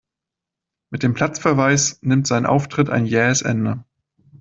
Mit dem Platzverweis nimmt sein Auftritt ein jähes Ende.